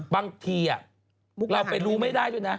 บางทีเราไปรู้ไม่ได้ด้วยนะ